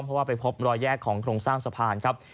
เพราะว่าไปพบรอยแยกของโครงสร้างสะพานครับ